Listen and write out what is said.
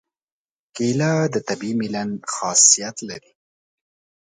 کېله د طبیعي ملین خاصیت لري.